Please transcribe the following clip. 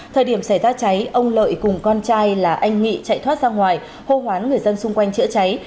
thời điểm xảy ra cháy ông lợi cùng con trai là anh nghị chạy thoát ra ngoài hô hoán người dân xung quanh chữa cháy